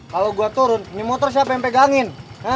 kalau gue turun nyemotor siapa yang pegangin